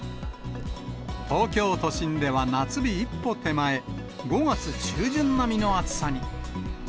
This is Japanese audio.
東京都心では夏日一歩手前、５月中旬並みの暑さに。